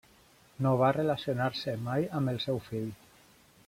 No va relacionar-se mai amb el seu fill.